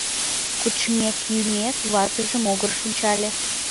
Кочмек-йӱмек, ватыже могырыш ончале.